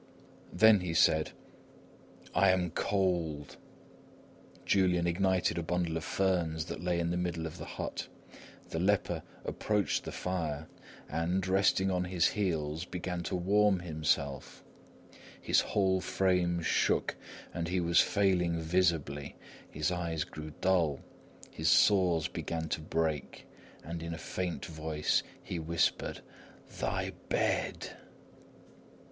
Then he said: "I am cold!" Julian ignited a bundle of ferns that lay in the middle of the hut. The leper approached the fire and, resting on his heels, began to warm himself; his whole frame shook and he was failing visibly; his eyes grew dull, his sores began to break, and in a faint voice he whispered: "Thy bed!"